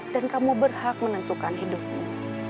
dan kamu berhak menentukan hidupmu